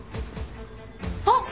あっ！